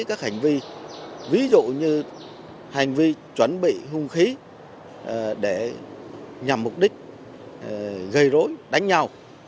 các hành vi ví dụ như hành vi chuẩn bị hung khí để nhằm mục đích gây rối đánh nhau